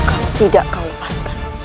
kalau tidak kau lepaskan